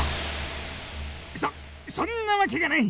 そそんなわけがない！